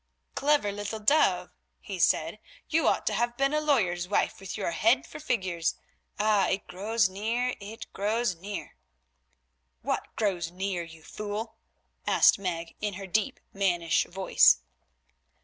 "Clever little dove," he said, "you ought to have been a lawyer's wife with your head for figures. Ah! it grows near, it grows near." "What grows near, you fool?" asked Meg in her deep mannish voice.